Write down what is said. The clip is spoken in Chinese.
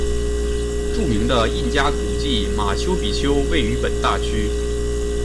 著名的印加古迹马丘比丘位于本大区。